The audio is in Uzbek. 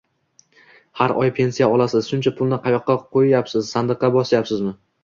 Har oy pensiya olasiz. Shuncha pulni qayoqqa qo'yyapsiz? Sandiqqa bosyapsizmi?